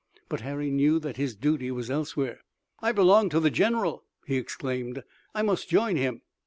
But Harry knew that his duty was elsewhere. "I belong to the general!" he exclaimed. "I must join him!"